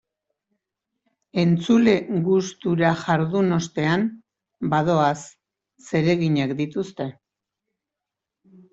Entzule gustura jardun ostean, badoaz, zereginak dituzte.